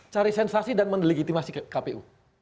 cari sensasi dan mendelegitimasi kpu